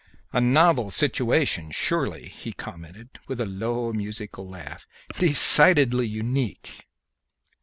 "A novel situation, surely!" he commented, with a low, musical laugh; "decidedly unique!"